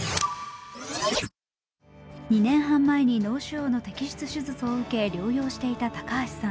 ２年半前に脳腫瘍の摘出手術を受け療養していた高橋さん。